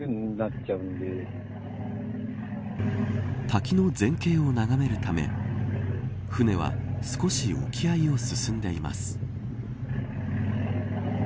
滝の全景を眺めるため船は少し沖合を進んでいます。